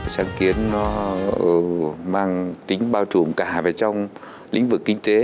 sáng kiến nó mang tính bao trùm cả về trong lĩnh vực kinh tế